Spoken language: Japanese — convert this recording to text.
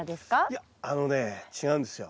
いやあのね違うんですよ。